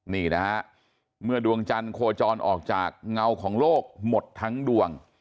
นี่นะฮะเมื่อดวงจันทร์โคจรออกจากเงาของโลกหมดทั้งดวง